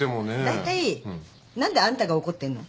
だいたい何であんたが怒ってんの？